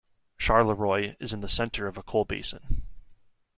Charleroi is in the center of a coal basin.